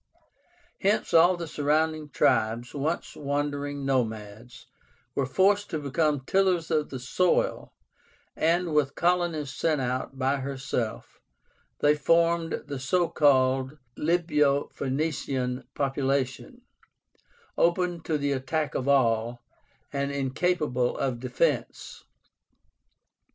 Hence all the surrounding tribes, once wandering nomads, were forced to become tillers of the soil; and, with colonies sent out by herself, they formed the so called Libyo Phoenician population, open to the attack of all, and incapable of defence.